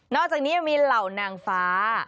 อกจากนี้ยังมีเหล่านางฟ้า